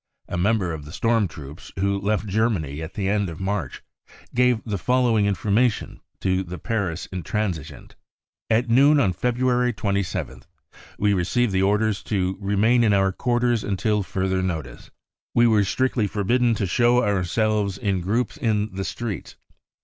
A member of the storm troops, who left Germany at the end of March, gave the following information to the Paris Intransigeant : e< At noon on February 27th we received the order to remain in our quarters until further notice. We were strictly forbidden to show ourselves in groups in the streets.